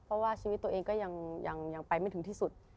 เพราะว่าชีวิตตัวเองก็ยังไปไม่ถึงที่สุด